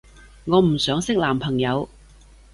我唔想識男朋友